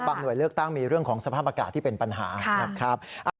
หน่วยเลือกตั้งมีเรื่องของสภาพอากาศที่เป็นปัญหานะครับ